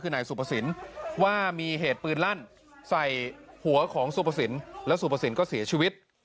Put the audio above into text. นายศูปสินว่ามีเหตุปืนลั่นใส่หัวของศูปสินก็สีชีวิต